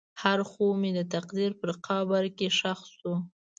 هر خوب مې د تقدیر په قبر کې ښخ شو.